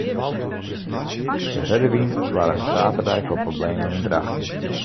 De hurde wyn soarge saterdei foar problemen yn Drachten.